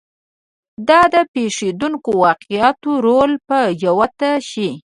دا د پېښېدونکو واقعاتو رول به جوت شي.